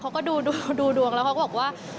เขาก็ดูดวงแล้วเขาก็บอกว่า